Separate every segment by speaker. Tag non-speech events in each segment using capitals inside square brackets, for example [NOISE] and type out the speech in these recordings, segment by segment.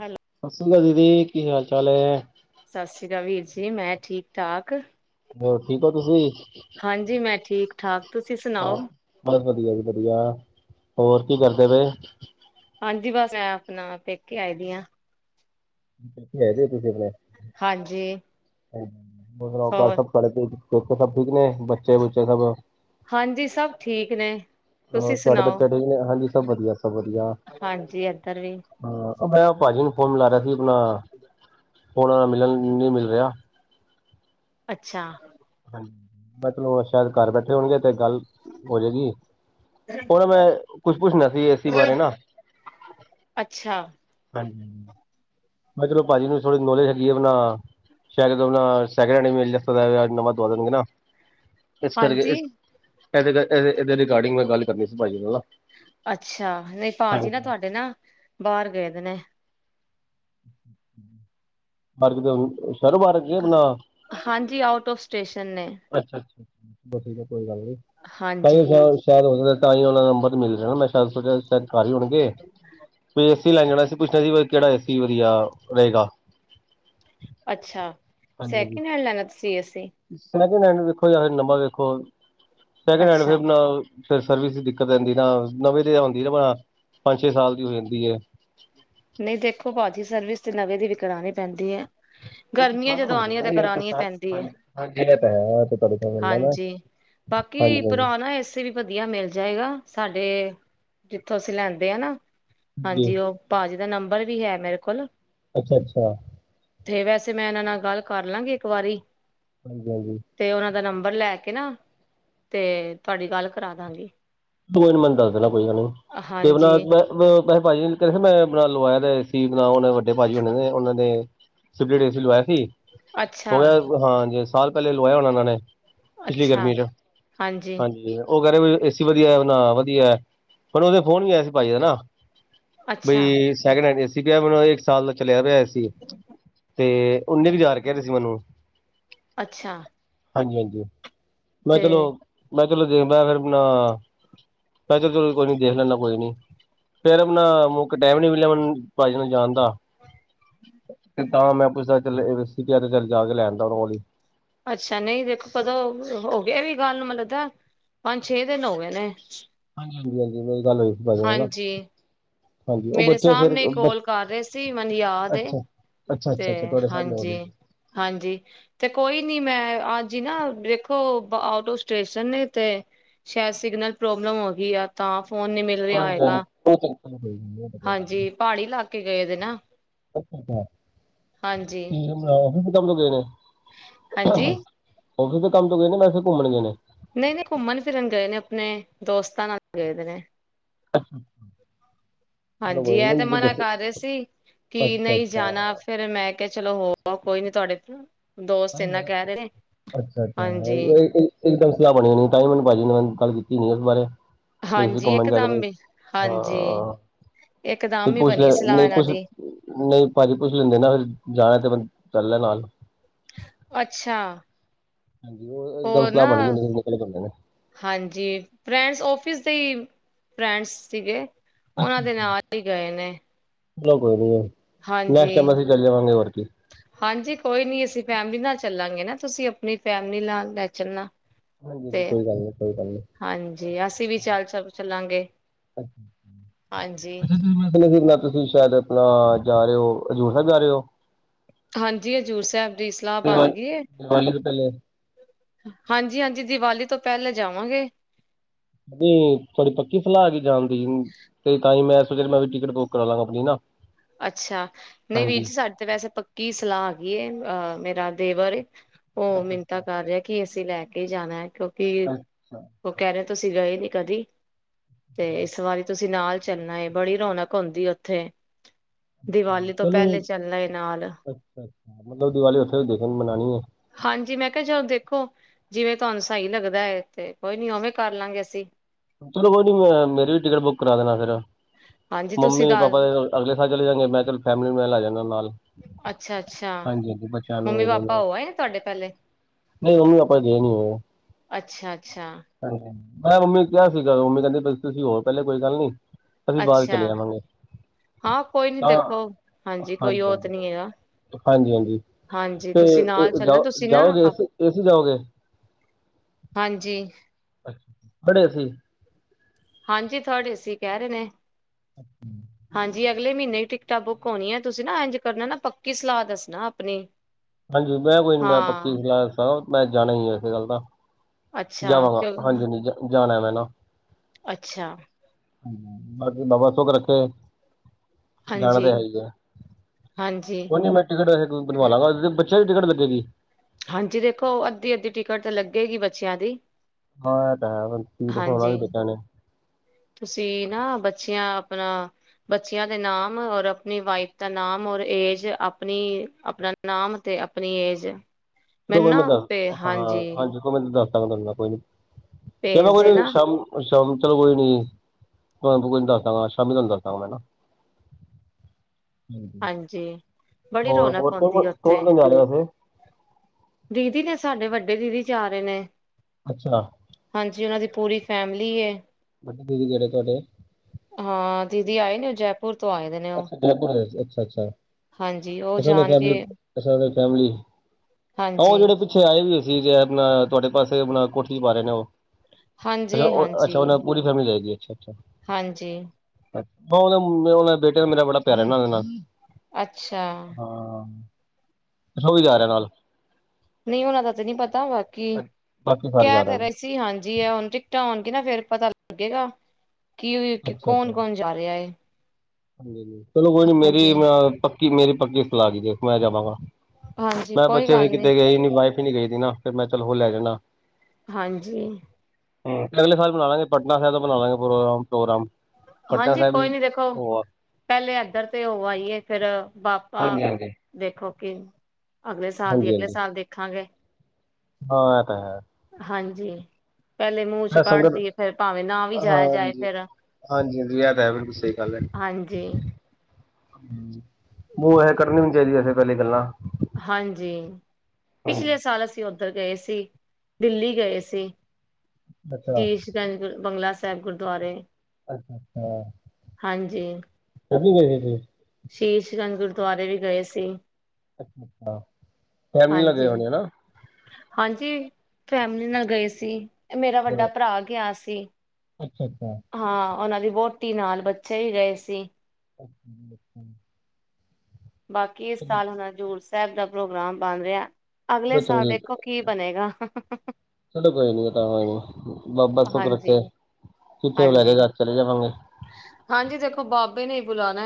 Speaker 1: Hello
Speaker 2: ਸ੍ਰੀ ਅਕਾਲ ਦੀਦੀ ਕੀ ਹਾਲ ਚਾਲ ਐ
Speaker 1: ਸਤਿ ਸ੍ਰੀ ਅਕਾਲ ਵੀਰ ਜੀ ਮੈਂ ਠੀਕ ਠਾਕ
Speaker 2: ਹੋਰ ਠੀਕ ਓ ਤੁਸੀਂ
Speaker 1: ਹਾਂਜੀ ਮੈਂ ਠੀਕ ਠਾਕ ਤੁਸੀਂ
Speaker 2: ਹਾਂ
Speaker 1: ਸੁਣਾਓ।
Speaker 2: ਬਸ ਵਧੀਆ ਜੀ ਵਧੀਆ ਹੋਰ ਕੀ ਕਰਦੇ ਪਏ
Speaker 1: ਹਾਂਜੀ ਬਸ ਮੈਂ ਆਪਣਾ ਪੇਕੇ ਆਏ ਦੀ ਆ
Speaker 2: [UNINTELLIGIBLE]
Speaker 1: ਹਾਂਜੀ।
Speaker 2: ਹੋਰ ਸੁਣਾਓ ਘਰ
Speaker 1: ਹੋਰ
Speaker 2: ਸਭ [UNINTELLIGIBLE] ਠੀਕ ਨੇ ਬੱਚੇ ਬੁੱਚੇ ਸਭ
Speaker 1: ਹਾਂਜੀ ਸਭ ਠੀਕ ਨੇ। ਤੁਸੀਂ
Speaker 2: ਹਾਂ ਤੁਹਾਡੇ
Speaker 1: ਸੁਣਾਓ
Speaker 2: ਬੱਚੇ ਠੀਕ ਨੇ ਹਾਂਜੀ ਸਭ ਵਧੀਆ ਸਭ ਵਧੀਆ
Speaker 1: ਹਾਂਜੀ ਇੱਧਰ ਵੀ
Speaker 2: ਹਾਂ ਓ ਮੈਂ ਭਾਜੀ ਨੂੰ ਫੋਨ ਮਿਲਾ ਰਿਆ ਸੀ ਆਪਣਾ ਫੋਨ ਮਿਲਣ ਨਈ ਮਿਲ ਰਿਆ
Speaker 1: ਅੱਛਾ।
Speaker 2: ਹਾਂਜੀ ਮੈਂ ਚਲੋ ਸ਼ੈਦ ਘਰ ਬੈਠੇ ਹੋਣਗੇ ਤੇ ਗੱਲ ਹੋਜੇਗੀ ਓਨਾ ਮੈਂ ਪੁੱਛਨਾ ਸੀ ਏਸੀ ਬਾਰੇ ਨਾ
Speaker 1: ਅੱਛਾ
Speaker 2: ਹਾਂਜੀ ਮੈਂ ਚਲੋ ਭਾਜੀ ਨੂੰ ਥੋੜੀ ਨੋਲੇਜ ਹੈਗੀ ਐ ਅਪਣਾ ਸੈਕਿੰਡ ਸੈਕਿੰਡ [UNINTELLIGIBLE] ਨਵਾਂ ਦਵਾ ਦੇਣਗੇ ਨਾ ਇਸ ਕਰਕੇ
Speaker 1: ਹਾਂਜੀ
Speaker 2: ਇਸ ਐਦੇ-ਐਦੇ ਰਿਗਾਡਿੰਗ ਮੈਂ ਗੱਲ ਕਰਨੀ ਸੀ ਮੈਂ ਭਾਜੀ ਨਾਲ
Speaker 1: ਅੱਛਾ ਨਈ ਭਾਜੀ ਨਾ
Speaker 2: ਹਾਂਜੀ।
Speaker 1: ਤੁਹਾਡੇ ਨਾ ਬਾਹਰ ਗਏਦੇ ਨੇ
Speaker 2: [UNINTELLIGIBLE] ਸਰਬ ਭਾਰਤ ਜੀਆ ਅਪਣਾ
Speaker 1: ਹਾਂਜੀ ਆਊਟ ਆਫ ਸਟੇਸ਼ਨ ਨੇ
Speaker 2: ਅੱਛਾ-ਅੱਛਾ ਬਸ ਠੀਕ ਐ ਕੋਈ ਗੱਲ ਨੀ
Speaker 1: ਹਾਂਜੀ
Speaker 2: ਕਾਲੂ ਸ਼ਾਮ ਸ਼ਾਇਦ ਹੋ ਜਵੇ ਤਾਂ ਹੀ ਓਨਾ ਦਾ ਨੰਬਰ ਮਿਲ ਜਾਣਾ ਮੈਂ ਕਲ ਸੂਬਾਹ ਤਕ ਘਰ ਹੀ ਹੋਣਗੇ ਤੇ [UNINTELLIGIBLE] ਲੈ ਜਾਣਾ ਪੁੱਛਣਾ ਸੀ ਕਿਹੜਾ ਏ ਸੀ ਵਧੀਆ ਰਏਗਾ
Speaker 1: ਅੱਛਾ ਸੈਕਿੰਡ ਹੈਂਡ ਲੈਣਾ ਤੁਸੀ ਏਸ
Speaker 2: ਸੈਕਿੰਡ ਹੈਂਡ ਵੇਖੋ ਜਾਂ ਫਿਰ ਨਮਾਂ ਵੇਖੋ ਸੈਕਿੰਡ ਹੈਂਡ
Speaker 1: ਅੱਛਾ
Speaker 2: ਫਿਰ ਨਾਲ ਫਿਰ ਸਰਵਿਸ ਦੀ ਦਿੱਕਤ ਆਂਦੀ ਨਾ ਨਵੇਂ ਤੇ ਐ ਹੁੰਦੀ ਐ ਨਾ ਭਣਾ ਪੰਜ ਛੇ ਸਾਲ ਦੀ ਹੋ ਜਾਂਦੀ ਏ।
Speaker 1: ਨਹੀਂ ਦੇਖੋ ਭਾਜੀ ਸਰਵਿਸ ਤੇ ਨਵੇਂ ਦੀ ਵੀ ਕਰਾਉਣੀ ਪੈਂਦੀ ਐ
Speaker 2: [INAUDIBLE] ਕਿਹਾ
Speaker 1: ਪੈਂਦੀ ਹੈ
Speaker 2: ਤਾਂ ਹੈ
Speaker 1: ਹਾਂਜੀ
Speaker 2: [UNINTELLIGIBLE]
Speaker 1: ਬਾਕੀ
Speaker 2: ਹਾਂਜੀ ਹਾਂਜੀ
Speaker 1: ਭਰਾ ਨਾ ਏਸੀ ਵੀ ਵਧੀਆ ਮਿਲ ਜਾਏਗਾ ਸਾਡੇ ਜਿੱਥੋਂ ਅਸੀਂ ਲੈਂਦੇ ਆ ਨਾ
Speaker 2: ਜੀ
Speaker 1: ਹਾਂਜੀ ਉਹ ਭਾਜੀ ਦਾ ਨੰਬਰ ਵੀ ਹੈ ਮੇਰੇ ਕੋਲ
Speaker 2: ਅੱਛਾ ਅੱਛਾ
Speaker 1: ਥੇ ਵੈਸੇ ਮੈਂ ਏਨਾਂ ਨਾਲ ਗੱਲ ਕਰ ਲਾਂਗੀ ਇੱਕ ਵਾਰੀ
Speaker 2: ਹਾਂਜੀ ਹਾਂਜੀ
Speaker 1: ਤੇ ਉਹਨਾਂ ਦਾ ਨੰਬਰ ਲੈ ਕੇ ਨਾ ਤੇ ਤੁਹਾਡੀ ਗੱਲ ਕਰਾ ਦਾਂਗੀ।
Speaker 2: ਤੂੰ ਏਨੂੰ ਮੈਨੂੰ ਦੱਸ ਦੇਣਾ ਕੋਈ ਗੱਲ ਨੀ ਤੇ ਅਪਣਾ
Speaker 1: ਹਾਂਜੀ
Speaker 2: [UNINTELLIGIBLE] ਵੈਸ ਭਾਜੀ ਨੂੰ ਕੇਨਾ ਸੀ ਮੈਂ ਲਵਾਇਆ ਦਾ ਏ ਸੀ ਅਪਣਾ ਓਨੇ ਵੱਡੇ ਭਾਜੀ ਓਨਾਂ ਨੇ ਓਨਾ ਨੇ ਸਪਲਿੱਟ ਏਸੀ ਲਵਾਇਆ ਸੀ ਹੋ
Speaker 1: ਅੱਛਾ
Speaker 2: ਗਿਆ ਹਾਂਜੀ ਸਾਲ ਪਹਿਲੇ ਲਵਾਇਆ ਹੋਣਾ ਓਨਾ ਨੇ ਪਿਛਲੀ
Speaker 1: ਅੱਛਾ
Speaker 2: ਗਰਮੀ ਚ ਹਾਂਜੀ। ਓ ਕੈ ਰੇ ਵੀ ਏ ਸੀ ਵਧੀਆ ਐ ਨਾ ਵਧੀਆ ਹੁਣ ਓਦੇ ਫੋਨ ਵੀ ਆਇਆ ਸੀ ਪਾਜੀ ਦਾ ਨਾ
Speaker 1: ਅੱਛਾ
Speaker 2: ਬਈ ਸੈਕਿੰਡ ਹੈਂਡ ਏ ਸੀ ਪਿਆ ਮੈ ਇੱਕ ਸਾਲ ਦਾ ਚਲਿਆ ਪਿਆ ਸੀ, ਤੇ ਓਨੀ ਕੁ ਹਜ਼ਾਰ ਕੇਹ ਰਹੀ ਸੀ ਮੈਨੂੰ।
Speaker 1: ਅੱਛਾ।
Speaker 2: ਹਾਂਜੀ-ਹਾਂਜੀ ਮੈਂ
Speaker 1: ਤੇ
Speaker 2: ਚਲੋ, ਮੈਂ ਚਲੋ ਦੇਖਦਾ ਫਿਰ ਅਪਣਾ ਮੈਂ ਚਲ ਚਲੋ ਕੋਈ ਨੀ ਦੇਖ ਲੈਨਾ ਕੋਈ ਨੀ। ਫਿਰ ਆਪਣਾ ਮੁੱਕ ਟੈਮ ਨੀ ਮਿਲਿਆ ਮੈਨੂੰ, ਭਾਜੀ ਨੂੰ ਜਾਣ ਦਾ, ਤੇ ਤਾਂ ਮੈਂ ਪੁੱਛਦਾ ਚੱਲ [UNINTELLIGIBLE] ਜਾ ਕੇ ਲੈਣਦਾ ਉਹਨਾਂ ਕੋਲ ਹੀ।
Speaker 1: ਅੱਛਾ, ਨਹੀਂ ਦੇਖੋ ਕਦੋ? ਹੋ ਗਏ ਏਹ ਵੀ ਗੱਲ ਨੂੰ ਮੈਨੂੰ ਲੱਗਦਾ ਪੰਜ ਛੇ ਦਿਨ ਹੋ ਗਏ ਨੇ।
Speaker 2: ਹਾਂਜੀ-ਹਾਂਜੀ ਮੇਰੀ ਗੱਲ ਹੋਈ ਸੀ
Speaker 1: ਹਾਂਜੀ
Speaker 2: [UNINTELLIGIBLE] ਉਹ
Speaker 1: ਮੇਰੇ
Speaker 2: ਬੱਚੇ ਫਿਰ
Speaker 1: ਸਾਹਮਣੇ ਕੋਲ ਕਰ ਰਹੇ ਸੀ ਮੈਨੁੂੰ ਯਾਦ ਏ।
Speaker 2: ਅੱਛਾ ਅੱਛਾ
Speaker 1: ਤੇ
Speaker 2: ਅੱਛਾ ਅੱਛਾ ਤੁਹਾਡੇ ਸਾਹਮਣੇ ਹੋ
Speaker 1: ਹਾਂਜੀ,
Speaker 2: ਰਹੀ ਸੀ
Speaker 1: ਹਾਂਜੀ ਤੇ ਕੋਈ ਨੀ ਮੈਂ ਅੱਜ ਹੀ ਨਾ ਦੇਖੋ ਆਊਟ ਆਫ ਸਟੇਸ਼ਨ ਨੇ ਤੇ ਸ਼ਾਇਦ ਸਿਗਨਲ ਪ੍ਰੋਬਲਮ ਹੋ ਗਈ ਆ ਤਾਂ ਫੋਨ ਨਹੀਂ ਮਿਲ ਰਿਹਾ
Speaker 2: ਹਾਂਜੀ ਹਾਂਜੀ
Speaker 1: ਹੋਏਗਾ
Speaker 2: ਉਹ ਤਾਂ ਕੋਈ ਨੀ ਉਹ ਤਾਂ ਕੋਈ ਗੱਲ
Speaker 1: ਹਾਂਜੀ ਪਹਾੜੀ ਇਲਾਕੇ ਗਏ ਦੇ ਨਾ
Speaker 2: ਨੀ ਅੱਛਾ
Speaker 1: ਹਾਂਜੀ।
Speaker 2: ਔਫਿਸ ਦੇ ਕੰਮ ਤੋ ਗਏ ਨੇ?
Speaker 1: ਹਾਂਜੀ।
Speaker 2: ਔਫਿਸ ਦੇ ਕੰਮ ਤੋਂ ਗਏ ਨੇ ਵੈਸੇ ਘੁੰਮਣ ਗਏ ਨੇ?
Speaker 1: ਨਹੀਂ-ਨਹੀਂ ਘੁੰਮਣ ਫਿਰਨ ਗਏ ਨੇ, ਆਪਣੇ ਦੋਸਤਾਂ ਨਾਲ ਗਏ ਦੇ ਨੇ।
Speaker 2: [INAUDIBLE] ਚਲੋ
Speaker 1: ਹਾਂਜੀ
Speaker 2: ਕੋਈ ਨੀ
Speaker 1: ਏਹ ਤੇ
Speaker 2: ਮੈਨੂੰ ਤੁਸੀਂ
Speaker 1: ਮਨਾ
Speaker 2: ਦੱਸੋ
Speaker 1: ਕਰ ਰਹੇ ਸੀ, ਕਿ
Speaker 2: ਅੱਛਾ
Speaker 1: ਨਹੀਂ ਜਾਣਾ
Speaker 2: ਅੱਛਾ
Speaker 1: ਫੇਰ ਮੈਂ ਮੈਂ ਕਿਹਾ ਚਲੋ ਹੋ ਆਓ, ਕੋਈ ਨੀ ਤੁਹਾਡੇ ਦੋਸਤ ਇਨਾ ਕਹਿ ਰਹੇ ਨੇ
Speaker 2: ਅੱਛਾ-ਅੱਛਾ,
Speaker 1: ਹਾਂਜੀ
Speaker 2: ਓਹੀ ਇੱਕ ਇੱਕਦਮ ਸਲਾਹ ਬਣੀ ਹੋਣੀ ਤਾਂ ਹੀ ਮੈਨੂੰ ਭਾਜੀ ਨੇ ਗੱਲ ਕੀਤੀ ਨੀ ਇਸ ਬਾਰੇ, ਵੀ ਅਸੀਂ
Speaker 1: ਹਾਂਜੀ
Speaker 2: ਘੁੰਮਣ ਜਾ [UNINTELLIGIBLE]
Speaker 1: ਇਕਦਮ ਹੀ ਹਾਂਜੀ
Speaker 2: ਹਾਂ। ਕਿ
Speaker 1: ਇਕਦਮ ਹੀ
Speaker 2: ਪੁੱਛ ਲੈ,
Speaker 1: ਬਣੀ ਸਲਾਹ
Speaker 2: ਨਹੀਂ
Speaker 1: ਇਹਨਾਂ
Speaker 2: ਪੁੱਛ,
Speaker 1: ਦੀ
Speaker 2: ਨਹੀਂ ਭਾਜੀ ਪੁੱਛ ਲੈਂਦੇ ਨਾ, ਫਿਰ ਜਾਣਾ ਤੇ ਬੰ ਚੱਲੇ ਨਾਲ।
Speaker 1: ਅੱਛਾ।
Speaker 2: ਹਾਂਜੀ ਉਹ ਇੱਕਦਮ
Speaker 1: ਹੋਰ
Speaker 2: ਸਲਾਹ
Speaker 1: ਨਾ,
Speaker 2: ਬਣ ਗਈ ਹੋਣੀ, ਫਿਰ ਨਿਕਲ ਬੰਦੇ ਨੇ
Speaker 1: ਹਾਂਜੀ, ਫਰੈਂਡਸ ਔਫਿਸ ਸੀ, ਫਰੈਂਡਸ ਸੀਗੇ, ਉਹਨਾਂ ਦੇ ਨਾਲ ਹੀ ਗਏ ਨੇ।
Speaker 2: ਚਲੋ ਕੋਈ ਨੀ।
Speaker 1: ਹਾਂਜੀ,
Speaker 2: ਨੈਕਸਟ ਟਾਈਮ ਅਸੀਂ ਚੱਲ ਜਾਵਾਂਗੇ ਹੋਰ ਕੀ
Speaker 1: ਹਾਂਜੀ ਕੋਈ ਨੀ, ਅਸੀਂ ਫੈਮਲੀ ਨਾਲ ਚੱਲਾਂਗੇ ਨਾ, ਤੁਸੀਂ ਆਪਣੀ ਫੈਮਿਲੀ ਨਾਲ ਲੈ ਚੱਲਣਾ।
Speaker 2: ਹਾਂਜੀ ਹਾਂਜੀ
Speaker 1: ਤੇ
Speaker 2: ਕੋਈ ਗੱਲ ਨੀ ਕੋਈ ਗੱਲ ਨੀ
Speaker 1: ਹਾਂਜੀ ਅਸੀਂ ਵੀ ਚੱਲ ਚੱਲੋ ਚੱਲਾਂਗੇ। ਹਾਂਜੀ
Speaker 2: ਅੱਛਾ ਤੁਸੀਂ ਕਿੰਨੇ ਦਿਨ ਬਾਅਦ ਤੁਸੀਂ ਸ਼ਾਇਦ ਆਪਣਾ ਜਾ ਰਹੇ ਹੋ, ਹਜ਼ੂਰ ਸਾਹਿਬ ਜਾ ਰਹੇ ਹੋ?
Speaker 1: ਹਾਂਜੀ ਹਜ਼ੂਰ ਸਾਹਿਬ। ਸਲਾਹ ਬਨ
Speaker 2: ਦੀਵਾਲੀ
Speaker 1: ਗਈ ਏ?
Speaker 2: ਦੀਵਾਲੀ ਤੋਂ ਪਹਿਲੇ
Speaker 1: ਹਾਂਜੀ-ਹਾਂਜੀ ਦੀਵਾਲੀ ਤੋਂ ਪਹਿਲੇ ਜਾਵਾਂਗੇ।
Speaker 2: ਜੀ, ਤੁਹਾਡੀ ਪੱਕੀ ਸਲਾਹ ਹੈਗੀ ਜਾਣ ਦੀ? ਤੇ ਤਾਂ ਹੀ ਮੈਂ [UNINTELLIGIBLE] ਮੈਂ ਵੀ ਟਿਕਟ ਬੁੱਕ ਕਰ ਲਾਂਗਾ ਆਪਣੀ ਨਾ।
Speaker 1: ਅੱਛਾ, ਨਹੀਂ ਵੀਰ ਜੀ ਸਾਡੇ ਤੇ ਵੈਸੇ ਪੱਕੀ ਸਲਾਹ ਹੈਗੀ ਹੈ, ਅਹ ਮੇਰਾ ਦੇਵਰ ਏ। ਉਹ ਮਿੰਨਤਾ ਕਰ ਰਿਹਾ ਕਿ ਅਸੀਂ ਲੈ ਕੇ ਜਾਣਾ ਹੈ, ਕਿਉਂਕਿ ਉਹ ਕਹਿ ਰਹੇ ਤੁਸੀਂ ਗਏ ਨੀ ਕਦੀ, ਤੇ ਇਸ ਵਾਰੀ ਤੁਸੀਂ ਨਾਲ ਚੱਲਣਾ ਏ, ਬੜੀ ਰੌਣਕ ਹੁੰਂਦੀ ਉੱਥੇ। ਦੀਵਾਲੀ ਤੋਂ
Speaker 2: ਚਲੋ,
Speaker 1: ਪਹਿਲੇ ਚੱਲਣਾ ਏ ਨਾਲ
Speaker 2: ਅੱਛਾ-ਅੱਛਾ ਮਤਲਬ ਦੀਵਾਲੀ ਉੱਥੇ ਦੇਖਨੀ, ਮਨਾਉਣੀ ਹੈ।
Speaker 1: ਹਾਂਜੀ ਮੈਂ ਕਿਹਾ ਚਲੋ ਦੇਖੋ ਜਿਵੇਂ ਤੁਹਾਨੂੰ ਸਹੀ ਲੱਗਦਾ ਹੈ, ਤੇ ਕੋਈ ਨੀ ਉਵੇਂ ਕਰ ਲਾਂਗੇ ਅਸੀਂ।
Speaker 2: ਚਲੋ ਕੋਈ ਨੀ, ਮੈਂ ਮੇਰੀ ਵੀ ਟਿਕਟ ਬੁੱਕ ਕਰਾ ਦੇਣਾ ਫੇਰ।
Speaker 1: ਹਾਂਜੀ ਤੁਸੀਂ ਗੱਲ
Speaker 2: ਮੰਮੀ-ਪਾਪਾ ਦੇ ਅਗਲੇ ਸਾਲ ਚਲੇ ਜਾਂਗੇ। ਮੈਂ ਚਲ ਫੈਮਿਲੀ ਨੂੰ ਮੈਂ ਲਾ ਜਾਨਾ ਨਾਲ।
Speaker 1: ਅੱਛਾ-ਅੱਛਾ,
Speaker 2: ਹਾਂਜੀ ਹਾਂਜੀ ਬੱਚਿਆਂ ਨੂੰ
Speaker 1: ਮੰਮੀ-ਪਾਪਾ
Speaker 2: ਜਾਂਦਾ
Speaker 1: ਹੋ ਆਏ ਨੇ ਤੁਹਾਡੇ ਪਹਿਲੇ।
Speaker 2: ਨਹੀਂ, ਮੰਮੀ-ਪਾਪਾ ਗਏ ਨਹੀ ਹਜੇ।
Speaker 1: ਅੱਛਾ ਅੱਛਾ
Speaker 2: ਹੰਜੀ। ਮੈਂ ਮੰਮੀ ਨੁ ਕਿਹਾ ਸੀਗਾ ਚਲਣ। ਮੰਮੀ ਕਹਿੰਦੀ ਬਈ ਤੁਸੀਂ ਹੋ ਆਓ ਪਹਿਲੇ ਕੋਈ ਗੱਲ ਨੀ ਅਸੀਂ ਬਾਅਦ ਚ ਚਲੇ
Speaker 1: ਅੱਛਾ
Speaker 2: ਜਾਵਾਂਗੇ।
Speaker 1: ਹਾਂ ਕੋਈ ਨੀ
Speaker 2: ਤਾਂ
Speaker 1: ਦੇਖੋ ਹਾਂਜੀ ਕੋਈ ਉਹ ਤੇ ਨਹੀਂ ਹੈਗਾ।
Speaker 2: ਹਾਂਜੀ ਹਾਂਜੀ
Speaker 1: ਹਾਂਜੀ
Speaker 2: ਤੇ
Speaker 1: ਤੁਸੀਂ
Speaker 2: ਏ
Speaker 1: ਨਾਲ ਚੱਲਣਾ
Speaker 2: ਜਾਓ
Speaker 1: ਤੁਸੀਂ ਨਾ
Speaker 2: ਜਾਓਗੇ ਏ ਏਸੀ ਜਾਔਗੇ।
Speaker 1: ਹਾਂਜੀ।
Speaker 2: ਬੜੇ ਸੀ।
Speaker 1: ਹਾਂਜੀ, ਥਰਡ ਐ ਸੀਂ ਕਹਿ ਰਹੇ ਨੇ।
Speaker 2: [UNINTELLIGIBLE]
Speaker 1: ਹਾਂਜੀ ਅਗਲੇ ਮਹੀਨੇ ਟਿਕਟਾਂ ਬੁੱਕ ਹੋਨਿਆਂ ਤੁਸੀਂ ਨਾ ਐਂਜ ਕਰਨਾ ਨਾ ਪੱਕੀ ਸਲਾਹ ਦੱਸਣਾ ਆਪਣੀ
Speaker 2: ਹਾਂਜੀ, ਮੈਂ ਕੋਈ ਨੀ ਮੈਂ ਪੱਕੀ
Speaker 1: ਹਾਂ
Speaker 2: ਸਲਾ ਦਸਾਂਗਾ। ਮੈਂ ਜਾਣਾ ਹੀ ਏ ਫਿਲਹਾਲ ਤਾਂ।
Speaker 1: ਅੱਛਾ
Speaker 2: ਜਾਵਾਂਗਾ, ਹਾਂਜੀ
Speaker 1: ਕਿਉਂ
Speaker 2: ਹਾਂਜੀ, ਜਾਣਾ ਮੈਂ ਨਾ।
Speaker 1: ਅੱਛਾ।
Speaker 2: ਬਾਕੀ ਬਾਬਾ ਸੂਖ ਰੱਖੇ। ਜਾਣਾ ਤੇ
Speaker 1: ਹਾਂਜੀ
Speaker 2: ਹੈ ਹੀ ਹੈ,
Speaker 1: ਹਾਂਜੀ
Speaker 2: ਕੋਈ ਨੀ ਮੈਂ ਟਿਕਟ ਵੈਸੇ ਬਣਵਾ ਲਾਂਗਾ ਕਿਨੇ ਦੀ ਟਿਕਟ ਲੱਗੇਗੀ?
Speaker 1: ਹਾਂਜੀ ਦੇਖੋ ਅੱਧੀ-ਅੱਧੀ ਟਿਕਟ ਤੇ ਲੱਗੇਗੀ ਬੱਚਿਆਂ ਦੀ।
Speaker 2: ਹਾਂ ਇਹ ਤਾਂ ਹੈ ਸੀਟ ਹੋਣਾ
Speaker 1: ਹਾਂਜੀ,
Speaker 2: ਵੀ ਬੱਚਿਆਂ ਨੇ
Speaker 1: ਤੁਸੀਂ ਨਾ ਬੱਚਿਆਂ ਆਪਣਾ ਬੱਚਿਆਂ ਦੇ ਨਾਮ ਔਰ ਆਪਣੀ ਵਾਈਫ ਦਾ ਨਾਮ ਔਰ ਏਜ ਆਪਣੀ ਆਪਣਾ ਨਾਮ ਤੇ ਆਪਣੀ ਏਜ
Speaker 2: [INAUDIBLE] ਠੀਕ ਹੈ
Speaker 1: ਮੈਨੂੰ
Speaker 2: ਫੇਰ
Speaker 1: ਨਾ
Speaker 2: ਮੈਂ ਦੱਸ,
Speaker 1: ਤੇ
Speaker 2: ਹਾਂ ਹਾਂਜੀ [UNINTELLIGIBLE] ਕੋਈ ਨਹੀ, ਚਲੋ
Speaker 1: ਭੇਜ
Speaker 2: ਕੋਈ ਨਹੀ,
Speaker 1: ਦੇਣਾ
Speaker 2: ਸ਼ਾਮ ਨੁ, ਸ਼ਾਮ ਨੁ ਚਲੋ ਕੋਈ ਨੀ। [UNINTELLIGIBLE] ਹੈ ਨਾ। [UNINTELLIGIBLE]
Speaker 1: ਹਾਂਜੀ ਬੜੀ
Speaker 2: ਹੋਰ
Speaker 1: ਰੌਨਕ
Speaker 2: ਹੋਰ ਕੌਣ
Speaker 1: ਹੋਂਦੀ
Speaker 2: ਕੌਣ
Speaker 1: ਔਥੇ।
Speaker 2: ਕੌਣ ਜਾ ਰਿਹਾ ਵੈਸੇ
Speaker 1: ਦੀਦੀ ਨੇ ਸਾਡੇ ਵੱਡੇ ਦੀਦੀ ਜਾ ਰਹੇ ਨੇ,
Speaker 2: ਅੱਛਾ
Speaker 1: ਹਾਂਜੀ ਔਨਾਂ ਦੀ ਪੂਰੀ ਫੈਮਲੀ ਏ
Speaker 2: ਵੱਡੇ ਦੀਦੀ ਕਿਹੜੇ ਤੁਹਾਡੇ?
Speaker 1: ਹਾਂ ਦੀਦੀ ਆਏ ਨੇ ਜੈਪ
Speaker 2: ਅੱਛਾ, ਜੈੁਪੂਰ ਦੇ ਸੀ। ਅੱਛਾ-ਅੱਛਾ
Speaker 1: ਹਾਂਜੀ ਉਹ ਜਾਣਗੇ
Speaker 2: [UNINTELLIGIBLE] ਫੈਮਿਲੀ, ਆ ਔ
Speaker 1: ਹਾਂਜੀ
Speaker 2: ਜਿਹੜੇ ਪਿੱਛੇ ਆਏ ਵੀ ਹੋਏ ਸੀ ਜੇ ਆਪਣਾ ਤੁਹਾਡੇ ਪਾਸੇ ਆਪਣਾ ਕੋਠ ਪਾ ਰਹੇ ਨੇ ਔ।
Speaker 1: ਹਾਂਜੀ ਹਾਂਜੀ
Speaker 2: ਅੱਛਾ-ਅੱਛਾ ਔਨਾਂ ਪੂਰੀ ਫੈਮਿਲੀ ਲਿਆਦੀ ਏ?
Speaker 1: ਹਾਂਜੀ।
Speaker 2: ਬ ਉਹ ਦੇ ਉਹ ਦੇ ਬੇਟੇ ਦਾ ਮੇਰਾ ਬੜਾ ਪਿਆਰਾ ਏ ਨਾ ਔਦੇ ਨਾਲ।
Speaker 1: ਅੱਛਾ।
Speaker 2: ਉਹ ਵੀ ਜਾ ਰਿਹਾ ਨਾਲ
Speaker 1: ਨਹੀਂ ਔਨਾਂ ਦਾ ਤੇ ਨਹੀਂ ਪਤਾ ਵਾ ਕੀ
Speaker 2: ਬਾਕੀ ਸਾਰੇ ਜਾ
Speaker 1: ਕਹਿ ਤੇ
Speaker 2: ਨੇ
Speaker 1: ਰਹੇ ਸੀ ਹਾਂਜੀ ਐ ਹੁਨ ਟਿਕਟਾਂ ਹੋਨ ਗਿਆ ਨਾ ਫੇਰ ਪਤਾ ਲੱਗੇਗਾ। ਕੀ ਓਹੀ
Speaker 2: ਅੱਛਾ ਅੱਛਾ
Speaker 1: ਕੌਣ-ਕੌਣ ਜਾ ਰਿਹਾ ਏ?
Speaker 2: ਹਾਂਜੀ ਹਾਂਜੀ, ਚਲੋ ਕੋਈ ਨੀ
Speaker 1: ਹਾਂਜੀ
Speaker 2: ਮੇਰੀ ਆ ਪੱਕੀ ਮੇਰੀ ਪੱਕੀ ਸਲਾਹ ਹੇਗੀ ਜੇ, ਮੈਂ ਜਾਵਾਂਗਾ।
Speaker 1: ਹਾਂਜੀ
Speaker 2: ਮੈਂ
Speaker 1: ਕੋਈ
Speaker 2: ਬੱਚੇ
Speaker 1: ਗੱਲ ਨੀ
Speaker 2: ਕਿਤੇ ਗਏ ਨੀ‌ ਵਾਈਫ ਵੀ ਨਹੀਂ ਗਈ ਦੀ ਨਾ ਫਿਰ ਮੈਂ ਚਲ ਹੋਨ ਲੈ ਜਾਨਾ।
Speaker 1: ਹਾਂਜੀ।
Speaker 2: ਹੁੰ ਤੇ ਅਗਲੇ ਸਾਲ ਬਣਾ ਲਾਂਗੇ ਪਟਨਾ ਸਾਹਿਬ ਦਾ ਬਣਾ ਲਾਂਗੇ ਪ੍ਰੋਗੜਾਮ ਪ੍ਰੋਗਰਾਮ। ਪਟਨਾ
Speaker 1: ਹਾਂਜੀ,
Speaker 2: ਸਾਹਿਬ
Speaker 1: ਕੋਈ
Speaker 2: ਵੀ
Speaker 1: ਨੀ ਦੇਖੋ
Speaker 2: ਉਹ
Speaker 1: ਪਹਿਲੇ ਇੱਧਰ ਤੇ ਹੋ ਆਈਏ ਫੇਰ ਬਾਪਾ
Speaker 2: ਹਾਂਜੀ ਹਾਂਜੀ
Speaker 1: ਦੇਖੋ ਕਿ ਅਗਲੇ ਸਾਲ ਦੀ
Speaker 2: ਹਾਂਜੀ
Speaker 1: ਅਗਲੇ
Speaker 2: ਹਾਂਜੀ
Speaker 1: ਸਾਲ ਦੇਖਾਂਗੇ।
Speaker 2: ਹਾਂ ਇਹ ਤਾਂ ਹੈ।
Speaker 1: ਹਾਂਜੀ ਪਹਿਲੇ ਮੂੰਹ ਚ
Speaker 2: ਮੈਂ ਸੰਗਤ
Speaker 1: ਕੱਢਦੀਏ ਫਰ ਭਾਵੇਂ ਨਾ ਵੀ ਜਾਇਆ ਜਾਏ
Speaker 2: ਹਾਂਜੀ
Speaker 1: ਫੇਰ
Speaker 2: ਹਾਂਜੀ, ਇਹ ਤਾਂ ਹੈ ਬਿਲਕੁਲ ਸਹੀ ਗੱਲ ਹੈ।
Speaker 1: ਹਾਂਜੀ
Speaker 2: ਮੂੰਹ ਐ ਕਰਨੀ ਹੁੰਦੀ ਚਾਹੀਦੀ ਵੈਸੀ ਪਹਿਲੀ ਗੱਲਾਂ।
Speaker 1: ਹਾਂਜੀ,
Speaker 2: ਹਾਂਜੀ,
Speaker 1: ਪਿਛਲੇ ਸਾਲ ਅਸੀਂ ਔ ਦਰ ਗਏ ਸੀ ਦਿੱਲੀ ਗਏ ਸੀ ਸ਼ੀਸ਼ ਗੰਜ ਗੁਰ ਬੰਗਲਾ ਸਾਹਿਬ। ਸਾਹਿਬ ਗੁਰਦੁਆਰੇ।
Speaker 2: ਅੱਛਾ-ਅੱਛਾ?
Speaker 1: ਹਾਂਜੀ
Speaker 2: [UNINTELLIGIBLE]
Speaker 1: ਸ਼ੀਸ਼ ਗੰਜ ਗੁਰਦੁਆਰੇ ਵੀ ਗਏ ਸੀ।
Speaker 2: ਅੱਛਾ ਅੱਛਾ ਫੈਮਲੀ ਨਾਲ ਗਏ
Speaker 1: ਹਾਂਜੀ
Speaker 2: ਹੋਣੇ ਹਨਾ?
Speaker 1: ਹਾਂਜੀ ਫੈਮਲੀ ਨਾਲ ਗਏ ਸੀ। ਮੇਰਾ ਵੱਡਾ ਭਰਾ ਗਿਆ ਸੀ।
Speaker 2: ਅੱਛਾ ਅੱਛਾ।
Speaker 1: ਹਾਂ ਉਹਨਾਂ ਦੀ ਵਹੁਟੀ ਨਾਲ ਬੱਚੇ ਹੀ ਗਏ ਸੀ।
Speaker 2: ਅ
Speaker 1: ਬਾਕੀ ਇਸ ਸਾਲ ਹੁਣ ਹਜ਼ੂਰ ਸਾਹਿਬ ਦਾ ਪ੍ਰੋਗਰਾਮ ਬਣ ਰਿਹਾ। ਅਗਲੇ
Speaker 2: ਕੋਈ
Speaker 1: ਸਾਲ
Speaker 2: ਚੰਗੀ
Speaker 1: ਦੇਖੋ ਕੀ ਬਣੇਗਾ।
Speaker 2: ਚਲੋ ਕੋਈ ਨੀ ਕੋਈ ਨੀ ਬਾਬਾ ਸੁੱਖ
Speaker 1: ਹਾਂਜੀ,
Speaker 2: ਰੱਖੇ ਕਿੱਥੇ ਉਹ
Speaker 1: ਹਾਂਜੀ,
Speaker 2: ਲੈਜੇਗਾ ਚਲੇ ਜਾਵਾਂਗੇ
Speaker 1: ਹਾਂਜੀ ਦੇਖੋ ਬਾਬੇ ਨੇ ਬੁਲਾਉਣਾ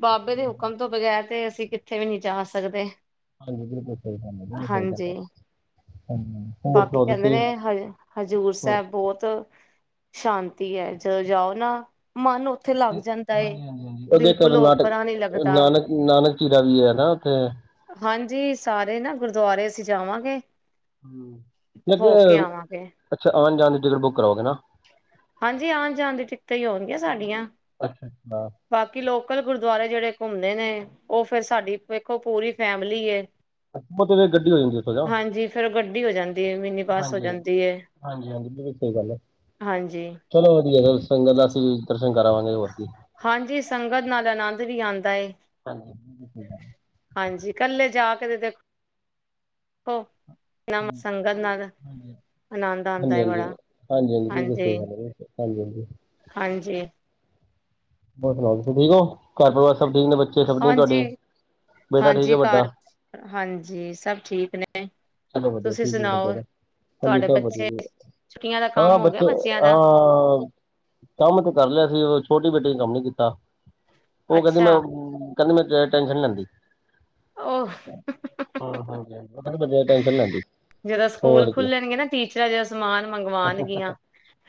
Speaker 1: ਬਾਬੇ ਦੇ ਹੁਕਮ ਤੋਂ ਬਗੈਰ। ਤੇ ਅਸੀਂ ਕਿੱਥੇ ਵੀ ਨਹੀਂ ਜਾ ਸਕਦੇ।
Speaker 2: ਹਾਂਜੀ ਬਿਲਕੁਲ ਸਹੀ ਗਲ ਏ ਬਿਲਕੁਲ ਸਹੀ
Speaker 1: ਹਾਂਜੀ,
Speaker 2: ਗਲ।
Speaker 1: ਬਾਕੀ ਕਹਿੰਦੇ ਨੇ ਹ ਹਜ਼ੂਰ
Speaker 2: ਹੈ।
Speaker 1: ਸਾਹਿਬ ਬਹੁਤ ਸ਼ਾਂਤੀ ਹੈ ਜਦੋਂ ਜਾਓ ਨਾ ਮਨ ਉ
Speaker 2: ਹਾਂਜੀ ਹਾਂਜੀ ਹਾਂ ਉਹਦੇ ਕਰਨਾਟਕ
Speaker 1: ਓਪਰਾ ਨੀ ਲੱਗਦਾ।
Speaker 2: ਨਾਨਕ ਨਾਨਕ ਚਿਰਾ ਵੀ ਹੈ ਨਾ ਉੱਥੇ।
Speaker 1: ਹਾਂਜੀ ਸਾਰੇ ਨਾ ਗੁਰੂਦੁਆਰੇ ਅਸੀਂ ਜਾਵਾਂਗੇ। ਹੋ ਕੇ
Speaker 2: ਹ
Speaker 1: ਆਵਾਂਗੇ।
Speaker 2: ਅੱਛਾ ਆਉਣ ਜਾਣ ਦੀ ਟਿਕਟ ਬੁੱਕ ਕਰੋਗੇ ਨਾ।
Speaker 1: ਹਾਂਜੀ ਆਉਣ ਜਾਣ ਦੀਆ ਟਿਕਟਾਂ ਹੀ ਹੋਣ ਗਿਆ ਸਾਡੀਆਂ।
Speaker 2: ਅੱਛਾ
Speaker 1: ਬਾਕੀ ਲੋਕਲ ਗੁਰੂਦੁਆਰੇ ਜਿਹੜੇ ਘੁੰਮਣੇ ਨੇ ਉਹ ਫੇਰ ਸਾਡੀ ਵੇਖੋ ਪੂਰੀ ਫੈਮਿਲੀ ਏ।
Speaker 2: ਉਹ ਤੇ ਗੱਡੀ ਹੋ ਜਾਂਦੀ ਉੱਥੋਂ ਜਾ
Speaker 1: ਹਾਂਜੀ ਫੇਰ ਗੱਡੀ ਹੋ ਜਾਂਦੀ ਹੈ ਮਿੰਨੀ ਬਸ ਹੋ ਜਾਂਦੀ ਹੈ।
Speaker 2: ਹਾਂਜੀ ਹਾਂਜੀ ਬਿਲਕੁਲ ਸਹੀ ਗੱਲ ਹੈ ਚਲੋ ਵਧੀਆ ਸੰਗਤ ਦਾ ਅਸੀਸ।
Speaker 1: ਹਾਂਜੀ ਸੰਗਤ ਨਾਲ ਆਨੰਦ ਵੀ ਆਉਂਦਾ ਹੈ। ਹਾਂਜੀ ਇਕੱਲੇ ਜਾ ਕੇ ਤੇ ਦੇਖੋ। ਨਾ
Speaker 2: ਹਾਂਜੀ,
Speaker 1: ਸੰਗਤ ਨਾਲ
Speaker 2: ਹਾਂਜੀ,
Speaker 1: ਆਨੰਦ ਆਂਦਾ ਏ
Speaker 2: ਹਾਂਜੀ,
Speaker 1: ਬੜਾ
Speaker 2: ਹਾਂਜੀ ਬਿਲਕੁਲ ਸਹੀ ਗਲ ਵੇ। ਹਾਂਜੀ ਹਾਂਜੀ।
Speaker 1: ਹਾਂਜੀ।
Speaker 2: ਹੋਰ ਸੁਣਾਓ ਤੁਸੀਂ ਠੀਕ ਹੋ ਘਰ ਪਰਿਵਾਰ ਸਭ ਠੀਕ ਨੇ ਬੱਚੇ ਸਬਜ਼ ਨੇ ਤੁਹਾਡੇ
Speaker 1: ਹਾਂਜੀ
Speaker 2: ਬੇਟਾ ਠੀਕ
Speaker 1: ਹਾਂਜੀ
Speaker 2: ਹੈ
Speaker 1: ਘਰ
Speaker 2: ਵੱਡਾ
Speaker 1: ਹਾਂਜੀ ਸਭ ਠੀਕ ਨੇ
Speaker 2: ਚਲੋ ਵਧੀਆਂ
Speaker 1: ਤੁਸੀਂ
Speaker 2: ਠੀਕ
Speaker 1: ਸੁਣਾਓ
Speaker 2: ਹੈ।
Speaker 1: ਤੁਹਾਡੇ
Speaker 2: ਕਲੀਤਾ
Speaker 1: ਬੱਚੇ
Speaker 2: ਵਧੀ
Speaker 1: ਛੁੱਟੀਆਂ ਦਾ
Speaker 2: ਹਾਂ
Speaker 1: ਕੰਮ ਹੋ ਗਿਆ
Speaker 2: ਬੱਚੇ
Speaker 1: ਬੱਚਿਆਂ ਦਾ
Speaker 2: ਹਾਂ। ਕੰਮ ਤੇ ਕਰ ਲਿਆ ਸੀ ੳਹ ਛੋਟੇ ਬੇਟੇ ਕੰਮ ਨੀ ਕੀਤਾ ਉਹ ਕਹਿੰਦੇ ਮੈਂ
Speaker 1: ਅੱਛਾ
Speaker 2: ਕਹਿੰਦੀ ਮੈਂ ਜਾਦਾ ਟੈਨਸ਼ਨ ਨਹੀਂ ਲੈਂਦੀ।
Speaker 1: ਆ
Speaker 2: ਹਾਂ ਹਾਂਜੀ ਹਾਂ ਉਹ ਕਿਹਦੀ ਬੰਦਿਆ ਦੀ ਟੈਂਨਸ਼ਨ ਨੀ ਲੈਂਦੀ।
Speaker 1: ਜਦੋਂ ਸਕੂਲ
Speaker 2: ਹੋਰ ਕੀ
Speaker 1: ਖੁੱਲਣਗੇ ਨਾ ਟੀਚਰਾਂ ਜ ਸਮਾਨ ਮੰਗਵਾਉਣਗੀਆਂ।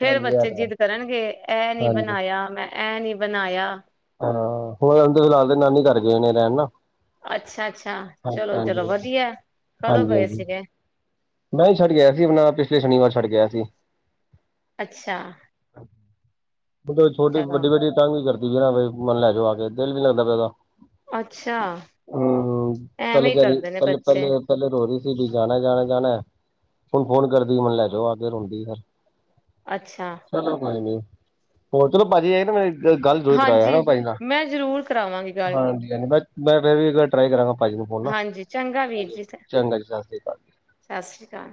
Speaker 1: ਫੇਰ
Speaker 2: ਇਹ
Speaker 1: ਬੱਚੇ
Speaker 2: ਤਾਂ ਹੈ
Speaker 1: ਜਿੱਦ ਕਰਨਗੇ ਇਹ ਨੀ
Speaker 2: ਹਾਂਜੀ
Speaker 1: ਬਣਾਇਆ ਮੈਂ ਇਹ ਨਹੀਂ ਬਣਾਇਆ।
Speaker 2: ਹਾਂ ਹੋਣਹਦੇ ਫਿਲਹਾਲ ਤੇ ਨਾਨੀ ਘਰ ਗਏ ਨੇ ਰਹਿਣ ਨਾ।
Speaker 1: ਅੱਛਾ ਅੱਛਾ ਚਲੋ ਚਲੋ ਵਧੀਆਂ ਕਦੋਂ
Speaker 2: ਹਾਂਜੀ
Speaker 1: ਗਏ
Speaker 2: ਹਾਂਜੀ
Speaker 1: ਸੀਗੇ।
Speaker 2: ਮੈਂ ਛੱਡ ਕੇ ਗਿਆ ਸੀ। ਆਪਣਾ ਪਿਛਲੇ ਸ਼ਨੀਵਾਰ ਛੱਡ ਕੇ ਗਿਆ ਸੀ।
Speaker 1: ਅੱਛਾ।
Speaker 2: ਛੋਟੀ
Speaker 1: ਚਲੋ
Speaker 2: ਵੱਡੀ ਵਾਲੀ ਤੰਗ ਕਰਦੀ ਪਈ ਨਾ ਮੈਨੂੰ ਲੈ ਜੋ ਆ ਕੇ ਦਿਲ ਨੀ ਲੱਗਦਾ ਪਿਆ ਓਦਾ।
Speaker 1: ਅੱਛਾ।
Speaker 2: ਹਮ ਪਹਿਲੇ
Speaker 1: ਐਵੇਂ ਹੀ
Speaker 2: ਜਾਰੀ
Speaker 1: ਕਰਦੇ ਨੇ
Speaker 2: ਪਹਿਲੇ ਪਹਿਲੇ
Speaker 1: ਬੱਚੇ
Speaker 2: ਪਹਿਲੇ ਰੋ ਰਹੀ ਸੀ ਬ ਜਾਣਾ ਜਾਣਾ ਜਾਣਾ। ਹੁਣ ਫੋਨ ਕਰਦੀ ਮੈਨੂੰ ਲੈ ਜਾਓ ਆ ਕੇ ਰੋਂਦੀ ਫ
Speaker 1: ਅੱਛਾ
Speaker 2: ਚਲੋ ਕੋਈ ਨੀ। ਹੋਰ ਚਲੋ ਭਾਜੀ ਆ ਮੇਰੇ ਗੱਲ ਦ
Speaker 1: ਹਾਂਜੀ
Speaker 2: ਕਰਵਾਆਾ ਪਾਈ
Speaker 1: ਮੈਂ ਜ਼ਰੂਰ ਕਰਾਵਾਂਗੀ ਗੱਲ
Speaker 2: ਹਾਂਜੀ ਹਾਂਜੀ ਬਸ ਮੈਂ ਫਿਰ ਵੀੱਲ ਟਰਾਈ ਕਰਾਂਗਾ ਜੀ ਨੂੰ ਫੋਨ ਨਾ
Speaker 1: ਹਾਂਜੀ ਚੰਗਾ
Speaker 2: ਹਾਂ
Speaker 1: ਵੀਰ ਜੀ
Speaker 2: ਚੰਗਾ ਜੀ ਸਤਿ ਸ੍ਰੀ ਅਕਾਲ ਜੀ
Speaker 1: ਚਾਰ